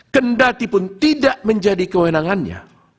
kendatipun tidak menjadi kewenangannya